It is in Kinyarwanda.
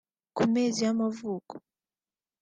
Ku mezi y’amavuko